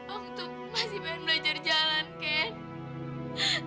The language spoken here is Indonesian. aku tuh masih pengen belajar jalan ken